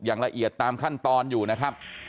อย่างละเอียดตามขั้นตอนอยู่นะครับ